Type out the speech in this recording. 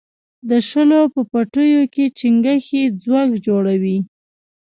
د شولو په پټیو کې چنگښې ځوږ جوړوي.